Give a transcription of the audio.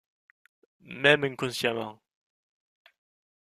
Même inconsciemment.